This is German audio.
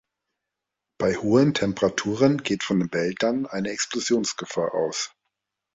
Bei hohen Temperaturen geht von den Behältern eine Explosionsgefahr aus.